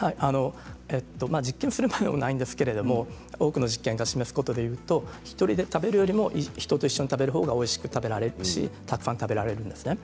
実験をするまでもないんですけど多くの実験で示すことでいうと１人で食べるよりも人と一緒に食べるほうがおいしく食べられるしたくさん食べられるんですね。